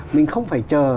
mình không phải chờ